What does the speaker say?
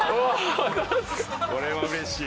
これはうれしい。